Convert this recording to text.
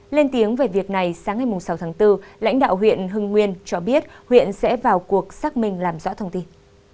lên tiếng về việc này sáng ngày sáu tháng bốn lãnh đạo huyện hưng nguyên cho biết huyện sẽ vào cuộc xác minh làm rõ thông tin